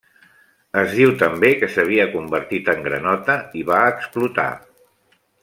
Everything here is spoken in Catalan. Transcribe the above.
Es diu també que s'havia convertit en granota i va explotar.